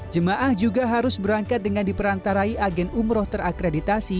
jemaah juga harus berangkat dengan diperantarai agen umroh terakreditasi